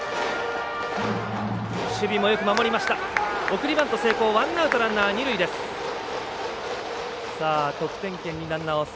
送りバント成功ワンアウト、ランナー、二塁。